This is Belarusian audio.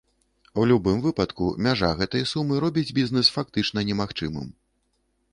У любым выпадку, мяжа гэтай сумы робіць бізнэс фактычна немагчымым.